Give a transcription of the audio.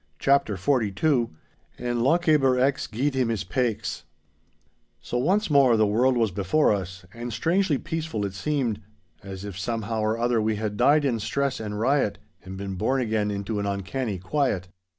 *CHAPTER XLII* *ANE LOCHABER AIX GIED HIM HIS PAIKS* So once more the world was before us, and strangely peaceful it seemed, as if somehow or other we had died in stress and riot and been born again into an uncanny quiet.